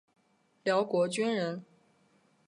辽国军人。